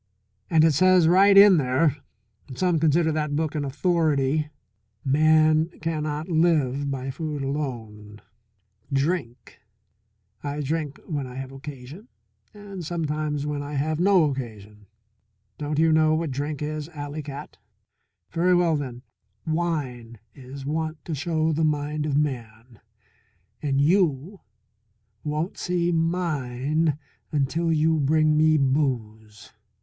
"And it says right in there and some consider that Book an authority man cannot live by food alone. Drink I drink when I have occasion, and sometimes when I have no occasion Don't you know what drink is, alley cat? Very well, then, wine is wont to show the mind of man, and you won't see mine until you bring me booze.